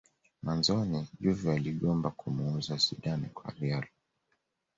Mwanzoni juve waligoma kumuuza Zidane kwa real